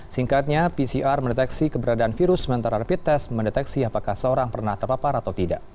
singkatnya pcr mendeteksi keberadaan virus sementara rapid test mendeteksi apakah seorang pernah terpapar atau tidak